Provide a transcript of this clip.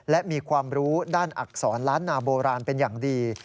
และมีความรู้ด้านอักษรล้านนาโบราณเป็นอย่างดี